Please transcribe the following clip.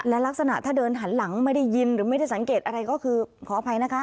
และลักษณะถ้าเดินหันหลังไม่ได้ยินหรือไม่ได้สังเกตอะไรก็คือขออภัยนะคะ